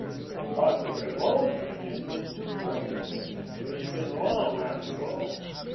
But the revulsion had been too great. She had been wrong after all.